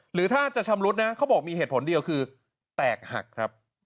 หรือถ้าจะชำรุดนะเขาบอกมีเหตุผลเดียวคือแตกหักครับ